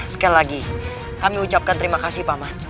sekali lagi kami ucapkan terima kasih paman